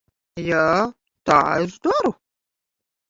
Jā, tā es daru.